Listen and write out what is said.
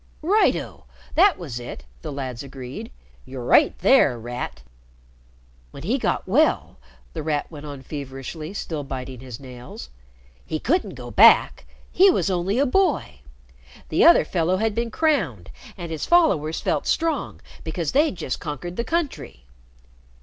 "Right, oh! That was it!" the lads agreed. "Yer right there, Rat!" "When he got well," The Rat went on feverishly, still biting his nails, "he couldn't go back. He was only a boy. The other fellow had been crowned, and his followers felt strong because they'd just conquered the country.